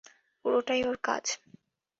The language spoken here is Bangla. পুরোটাই ওর কাজ।